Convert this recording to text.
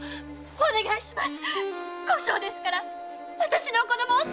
お願いします！